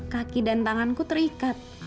kaki dan tanganku terikat